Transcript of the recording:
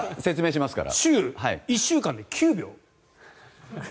１週間で９秒。